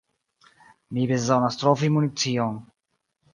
Mi bezonas trovi municion.